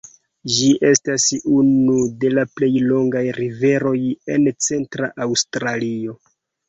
Ĝi estas unu de la plej longaj riveroj en Centra Aŭstralio.